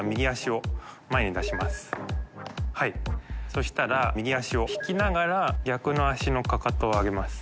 そしたら右脚を引きながら佞竜咾かかとを上げます。